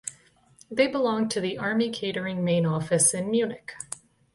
They belonged to the Army Catering Main Office in Munich.